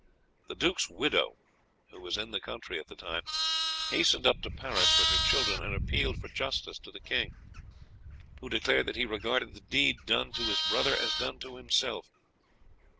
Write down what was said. The duke's widow, who was in the country at the time, hastened up to Paris with her children, and appealed for justice to the king, who declared that he regarded the deed done to his brother as done to himself.